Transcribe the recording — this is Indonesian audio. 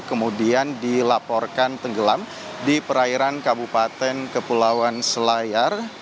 kemudian dilaporkan tenggelam di perairan kabupaten kepulauan selayar